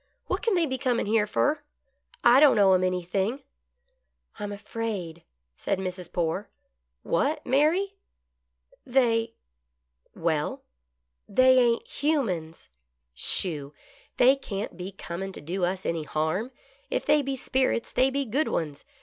What can they be cornin' here fer I don't owe 'em anything." " I'm afraid "— said Mrs. Poore. " What, Mary ?"" They "—" Well 5) " They ain't humans." " Sho !— they can't be cornin' to do us any harm ; if they be spirits they be good ones.